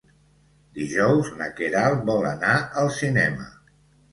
Dijous na Queralt vol anar al cinema.